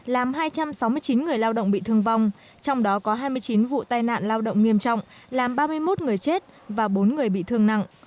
làm hai trăm sáu mươi chín người lao động bị thương vong trong đó có hai mươi chín vụ tai nạn lao động nghiêm trọng làm ba mươi một người chết và bốn người bị thương nặng